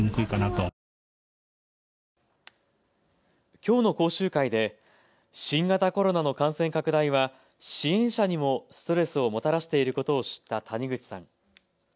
きょうの講習会で新型コロナの感染拡大は支援者にもストレスをもたらしていることを知った谷口さん。